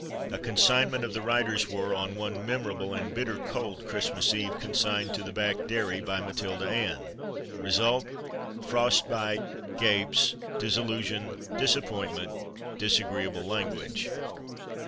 A consignment of the writer's were, on one memorable and bitter cold Christmas Eve, consigned to the back dairy, by Matilda Anne. Result frostbite, gapes, dissolution, disappointment, disagreeable language.